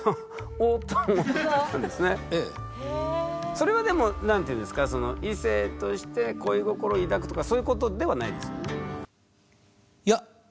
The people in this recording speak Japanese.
それはでも何ていうんですかその異性として恋心を抱くとかそういうことではないですよね？